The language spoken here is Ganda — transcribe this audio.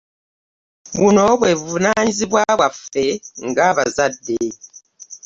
Buno bwe buvunaanyizibwa bwaffe ng'abazadde.